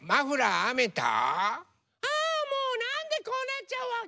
ああもうなんでこうなっちゃうわけ？